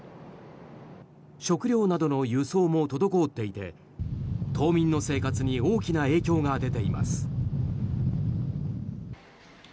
食料などの輸送も滞っていて島民の生活に大きな影響が出ています。